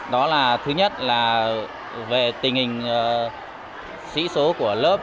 đó là thứ nhất là về tình hình sĩ số của lớp